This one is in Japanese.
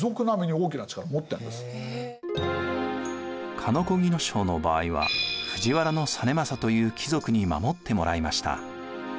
鹿子木荘の場合は藤原実政という貴族に守ってもらいました。